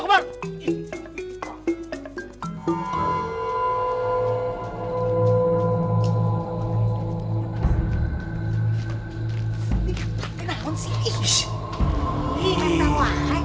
pati namun sih